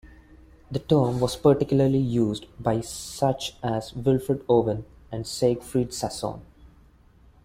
The term was particularly used by such as Wilfred Owen and Siegfried Sassoon.